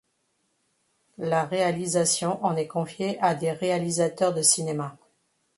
La réalisation en est confiée à des réalisateurs de cinéma.